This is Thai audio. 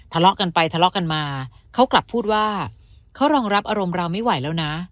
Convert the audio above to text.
ทะเลาะกันไปทะเลาะกันมาเขากลับพูดว่าเขารองรับอารมณ์เราไม่ไหวแล้วนะ